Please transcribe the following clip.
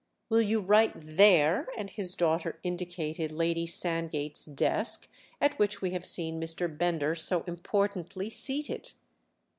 "Will you write there?"—and his daughter indicated Lady Sandgate's desk, at which we have seen Mr. Bender so importantly seated.